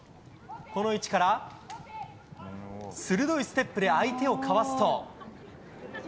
この位置から鋭いステップで相手をかわすと。